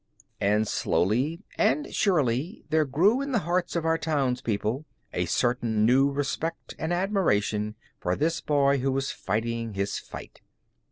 And slowly and surely there grew in the hearts of our townspeople a certain new respect and admiration for this boy who was fighting his fight.